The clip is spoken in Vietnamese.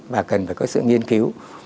và cần phải có sự nghiên cứu